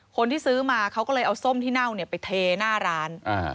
คนที่ซื้อมาเขาก็เลยเอาส้มที่เน่าเนี่ยไปเทหน้าร้าน